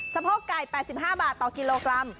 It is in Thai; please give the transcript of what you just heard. โพกไก่๘๕บาทต่อกิโลกรัม